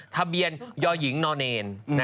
ทะเบียนยหญิงนเนนนะ๘๒๒๙